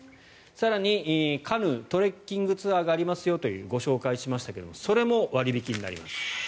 更にカヌー・トレッキングツアーがありますとご紹介しましたがそれも割引になります。